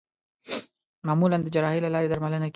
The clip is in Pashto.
معمولا د جراحۍ له لارې درملنه کېږي.